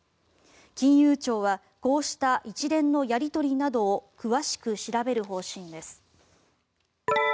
金融庁はこうした一連のやり取りなどを詳しく調べる方針です。